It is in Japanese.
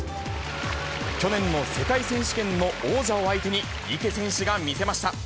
去年の世界選手権の王者を相手に、池選手が見せました。